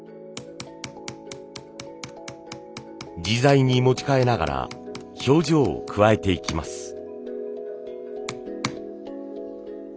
自在に持ち替えながら表情を加えていきます。